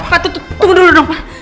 pak tunggu dulu dong pak